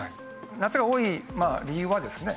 夏が多い理由はですね